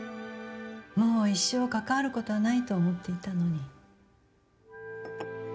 もう一生関わることはないと思っていたのに。